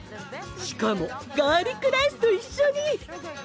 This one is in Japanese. しかもガーリックライスと一緒に！